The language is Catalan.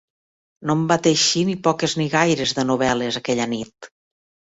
No en va teixir ni poques ni gaires, de novel·les, aquella nit!